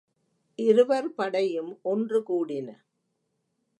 இருவர் படையும் ஒன்று கூடின.